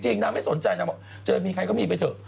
นางไม่สนใจนางบอกเจอมีใครก็มีไปเถอะ